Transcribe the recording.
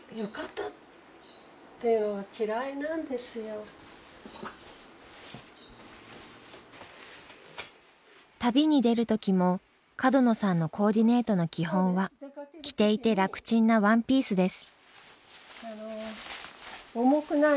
私あの旅に出る時も角野さんのコーディネートの基本は着ていて楽ちんなワンピースです。